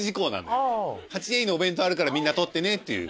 ８Ａにお弁当あるからみんな取ってねっていう。